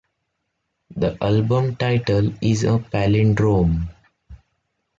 The album title is a palindrome.